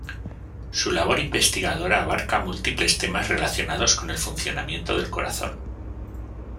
Su labor investigadora abarca múltiples temas relacionados con el funcionamiento del corazón.